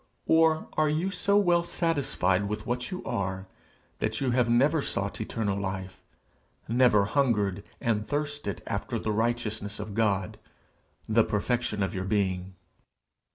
or are you so well satisfied with what you are, that you have never sought eternal life, never hungered and thirsted after the righteousness of God, the perfection of your being?